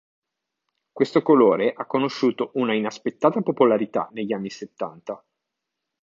Questo colore ha conosciuto una inaspettata popolarità negli anni settanta.